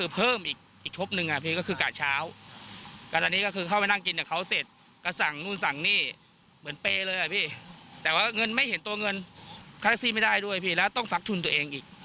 ไปฟังทักซี่กันหน่อยมันก็เลยกลายเป็นที่มาของคลิปนี้